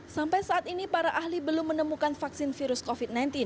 sampai saat ini para ahli belum menemukan vaksin virus covid sembilan belas